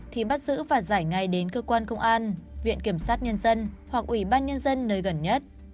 thì bắt giữ và giải ngay đến cơ quan công an viện kiểm sát nhân dân hoặc ủy ban nhân dân nơi gần nhất